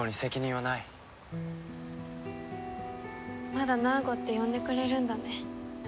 まだナーゴって呼んでくれるんだね。